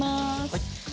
はい。